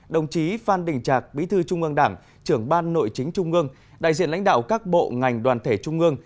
đồng chí phan đình trạc bí thư trung ương đảng trưởng ban nội chính trung ương đại diện lãnh đạo các bộ ngành đoàn thể trung ương